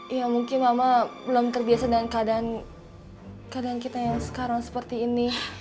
ya mungkin mama belum terbiasa dengan keadaan kita yang sekarang seperti ini